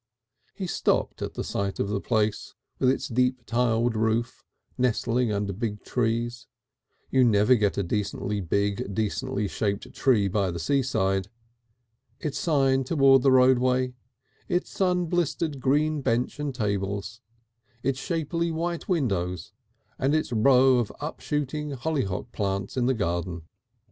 He stopped at the sight of the place with its deep tiled roof, nestling under big trees you never get a decently big, decently shaped tree by the seaside its sign towards the roadway, its sun blistered green bench and tables, its shapely white windows and its row of upshooting hollyhock plants in the garden.